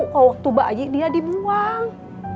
waktu bayi dia dibuang